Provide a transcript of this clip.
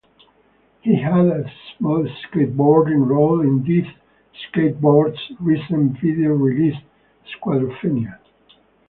He had a small skateboarding role in Death Skateboards recent video release, Squadrophenia.